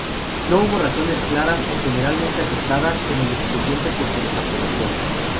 No hubo razones claras o generalmente aceptadas en el expediente por su desaprobación.